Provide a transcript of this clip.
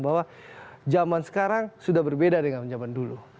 bahwa zaman sekarang sudah berbeda dengan zaman dulu